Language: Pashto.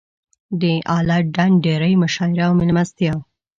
د اله ډنډ ډېرۍ مشاعره او مېلمستیا.